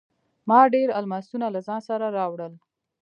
ما ډیر الماسونه له ځان سره راوړل.